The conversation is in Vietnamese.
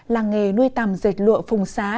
làng nghề nuôi tầm dệt lụa phùng xá